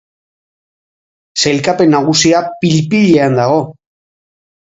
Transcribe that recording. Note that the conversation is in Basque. Saikapen nagusia pil-pilean dago.